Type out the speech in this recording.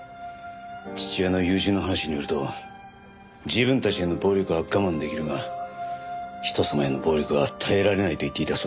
父親の友人の話によると自分たちへの暴力は我慢できるが人様への暴力は耐えられないと言っていたそうだ。